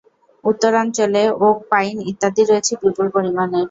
উত্তরাঞ্চলে oak, pine ইত্যাদি রয়েছে বিপুল পরিমাণে।